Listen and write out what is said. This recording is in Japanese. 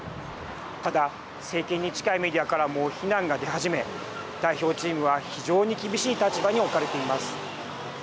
ただ、政権に近いメディアからも非難が出始め代表チームは非常に厳しい立場に置かれています。